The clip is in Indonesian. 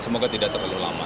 semoga tidak terlalu lama